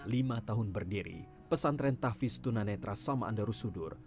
lima tahun berdiri pesantren tahfiz tunanetra saman darussudur